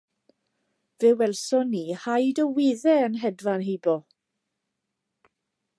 Fe welson ni haid o wyddau yn hedfan heibio.